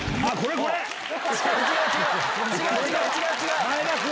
違う違う違う違う！